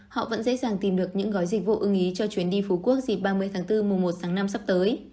họ vẫn dễ dàng tìm được những gói dịch vụ ưng ý cho chuyến đi phú quốc dịp ba mươi tháng bốn mùa một tháng năm sắp tới